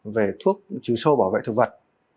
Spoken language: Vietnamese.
về thức chứa sâu bảo vệ thực vật